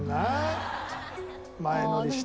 「前乗りして」